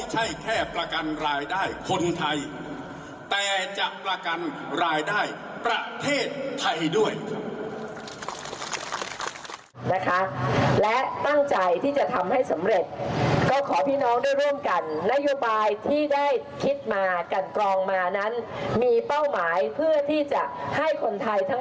หายจนมดหนี้มีรายได้อย่างยั่งยืน